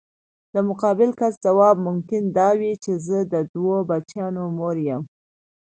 د مقابل کس ځواب ممکن دا وي چې زه د دوه بچیانو مور یم.